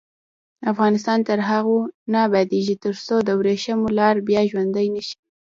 افغانستان تر هغو نه ابادیږي، ترڅو د وریښمو لار بیا ژوندۍ نشي.